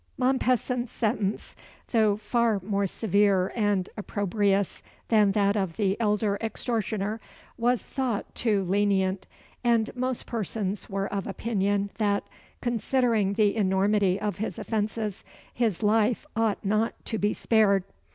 Mompesson's sentence, though far more severe and opprobrious than that of the elder extortioner, was thought too lenient, and most persons were of opinion that, considering the enormity of his offences, his life ought not to be spared.